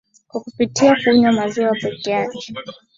kwa kupitia kunywa maziwa peke yake